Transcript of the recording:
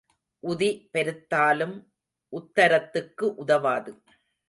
உதி பெருத்தாலும் உத்தரத்துக்கு உதவாது.